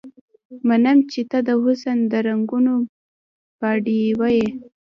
منم چې ته د حسن د رنګونو باډيوه يې